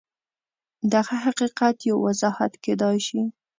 دغه حقیقت یو وضاحت کېدای شي